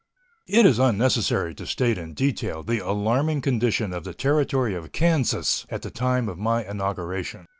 It is unnecessary to state in detail the alarming condition of the Territory of Kansas at the time of my inauguration.